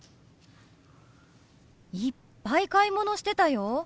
いっぱい買い物してたよ。